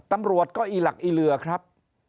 ตำรวจก็อีหลักอีเหลือครับ